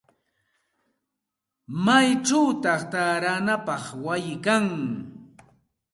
¿Maychawta taaranapaq wayi kan?